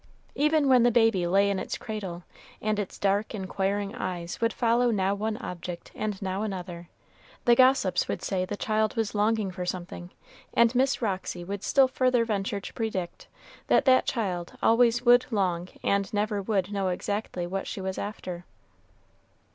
Even when the baby lay in its cradle, and its dark, inquiring eyes would follow now one object and now another, the gossips would say the child was longing for something, and Miss Roxy would still further venture to predict that that child always would long and never would know exactly what she was after.